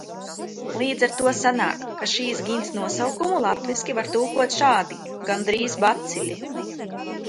"Līdz ar to sanāk, ka šīs ģints nosaukumu latviski var tulkot šādi: "gandrīz baciļi"."